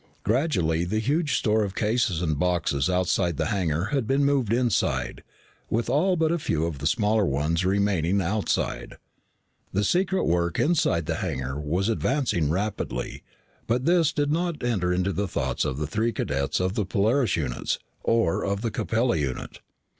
Gradually the huge store of cases and boxes outside the hangar had been moved inside, with all but a few of the smaller ones remaining outside. The secret work inside the hangar was advancing rapidly, but this did not enter into the thoughts of the three cadets of the Polaris unit, nor of the Capella unit.